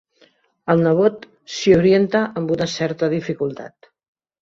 El nebot s'hi orienta amb una certa dificultat.